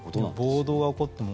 暴動が起こっても。